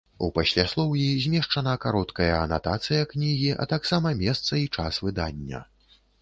У пасляслоўі змешчана кароткая анатацыя кнігі, а таксама месца і час выдання.